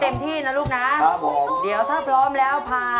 บทหารแก้มค่ะ